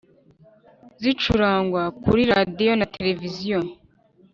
zicurangwa kuri radio na televiziyo,